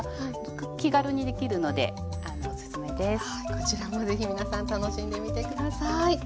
こちらもぜひ皆さん楽しんでみて下さい。